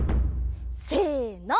せの。